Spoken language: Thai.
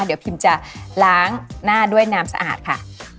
เดี๋ยวพิมจะล้างหน้าด้วยน้ำสะอาดค่ะ